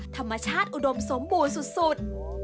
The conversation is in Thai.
ธรรมชาติอุดมสมบูรณ์สุด